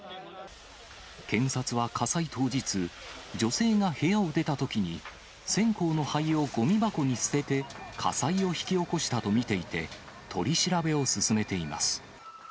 検察は火災当日、女性が部屋を出たときに、線香の灰をごみ箱に捨てて火災を引き起こしたと見ていて、取り調べを進めています。